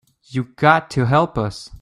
You got to help us.